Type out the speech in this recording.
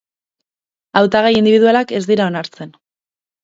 Hautagai indibidualak ez dira onartzen.